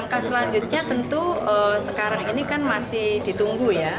langkah selanjutnya tentu sekarang ini kan masih ditunggu ya